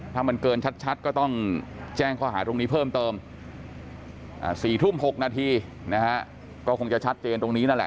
ถ้ามันเกินชัดก็ต้องแจ้งข้อหาตรงนี้เพิ่มเติม๔ทุ่ม๖นาทีนะฮะก็คงจะชัดเจนตรงนี้นั่นแหละ